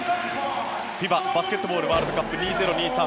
ＦＩＢＡバスケットボールワールドカップ２０２３